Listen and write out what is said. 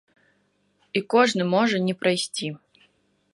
І кожны можа не прайсці.